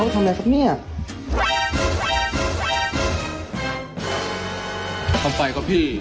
กำลังทำไฟครับพี่